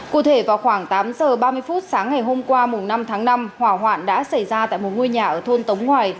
cụ thể vào khoảng tám giờ ba mươi phút sáng ngày hôm qua năm tháng năm hỏa hoạn đã xảy ra tại một ngôi nhà ở thôn tống ngoài